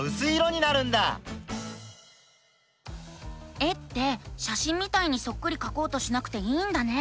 絵ってしゃしんみたいにそっくりかこうとしなくていいんだね。